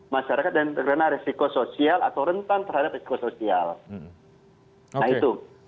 masyarakat yang terkena resiko sosial atau rentan terhadap resiko sosial